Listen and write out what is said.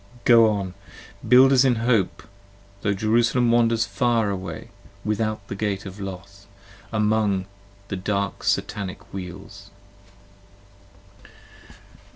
Go on, builders in hope : tho' Jerusalem wanders far away, Without the gate of Los: among the dark Satanic wheels.